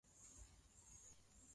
Fueni nguo zenu.